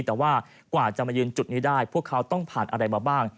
แต่ว่ากว่าจะมายืนจุดนี้ได้พวกเขาต้องผ่านอะไรมาบ้าง